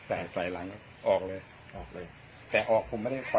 อะผมถอยมาแค่ตรงนี้โต๊ะโต๊ะโต๊ะโต๊ะผมขอยลูกกลุ่มออกแนวหละ